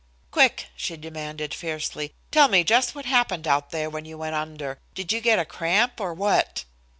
"Quick," she demanded fiercely, "tell me just what happened out there when you went under. Did you get a cramp or what?"